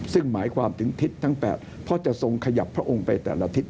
ซึ่งหมายความถึงทิศทั้ง๘เพราะจะทรงขยับพระองค์ไปแต่ละทิศ